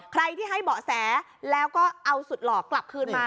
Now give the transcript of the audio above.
ใครที่ให้เบาะแสแล้วก็เอาสุดหลอกกลับคืนมา